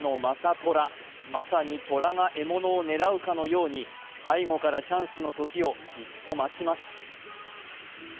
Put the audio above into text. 虎、まさに虎が獲物を狙うように背後からチャンスの時をじっと待ちます。